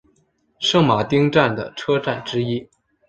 圣马丁站的车站之一。